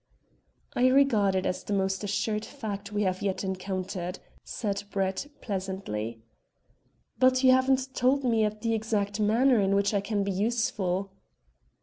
"I regard it as the most assured fact we have yet encountered," said Brett, pleasantly. "But you haven't told me yet the exact manner in which I can be useful."